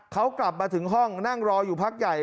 เขากลับมาถึงห้องนั่งรออยู่พักใหญ่